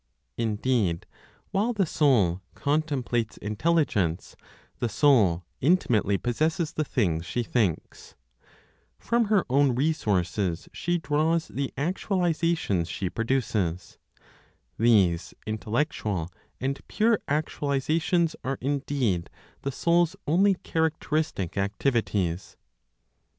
Indeed, while the soul contemplates Intelligence, the Soul intimately possesses the things she thinks; from her own resources she draws the actualizations she produces; these intellectual and pure actualizations are indeed the Soul's only characteristic activities.